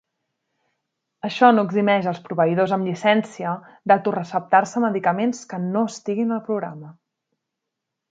Això no eximeix als proveïdors amb llicència de autoreceptar-se medicaments que no estiguin al programa.